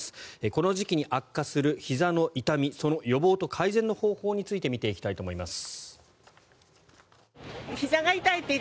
この時期に悪化するひざの痛みその予防と改善の方法について見ていきたいと思います。